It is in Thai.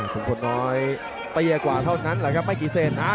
คนน้อยเตี้ยกว่าเท่านั้นแหละครับไม่กี่เซนนะ